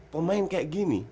pemain kayak gini